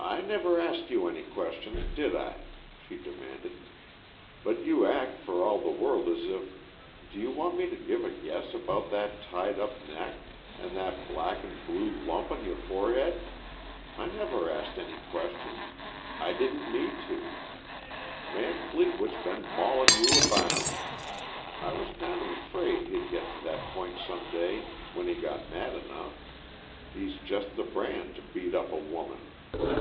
"I never asked you any questions, did I?" she demanded. "But you act for all the world as if do you want me to give a guess about that tied up neck, and that black'n'blue lump on your forehead? I never asked any questions I didn't need to. Man Fleetwood's been maulin' you abound. I was kinda afraid he'd git to that point some day when he got mad enough; he's just the brand to beat up a woman.